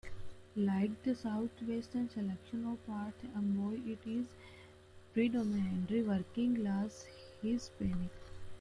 Like the southwestern section of Perth Amboy, it is predominantly working-class Hispanic.